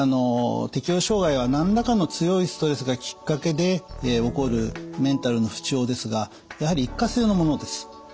適応障害は何らかの強いストレスがきっかけで起こるメンタルの不調ですがやはり一過性のものです。